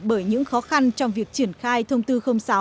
bởi những khó khăn trong việc triển khai thông tư sáu